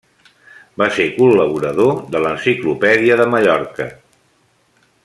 Va ser col·laborador de l'Enciclopèdia de Mallorca.